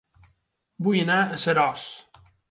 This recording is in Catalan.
Vull anar a Seròs